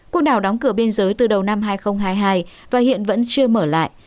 quốc đảo đóng cửa biên giới từ đầu năm hai nghìn hai mươi hai và hiện vẫn chưa mở lại